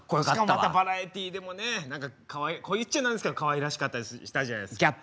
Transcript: しかもまたバラエティーでもね何かこう言っちゃなんですけどかわいらしかったりしたじゃないですか。